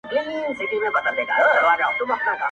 هغه مړ له مــسته واره دى لوېـدلى.